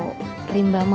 terima kasih ya